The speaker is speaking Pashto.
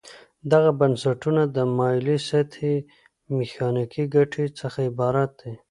دغه نسبتونه د مایلې سطحې د میخانیکي ګټې څخه عبارت دي.